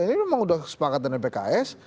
ini memang udah kesepakatan dengan pks